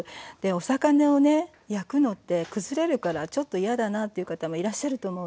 お魚をね焼くのってくずれるからちょっと嫌だなっていう方もいらっしゃると思うのね。